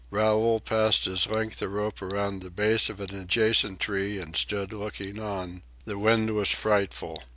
Raoul passed his length of rope around the base of an adjacent tree and stood looking on. The wind was frightful.